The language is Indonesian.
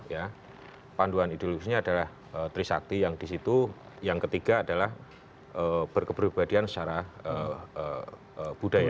ya panduan ideologisnya adalah trisakti yang di situ yang ketiga adalah berkeperibadian secara budaya